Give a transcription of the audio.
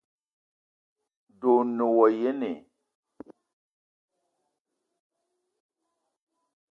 De o ne wa yene?